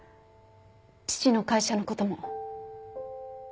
父の会社の事も。